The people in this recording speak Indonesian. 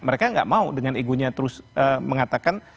mereka nggak mau dengan egonya terus mengatakan